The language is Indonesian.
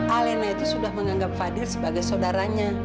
alena itu sudah menganggap fadil sebagai saudaranya